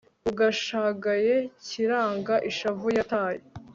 ugashagaye yiraga ishavu yataye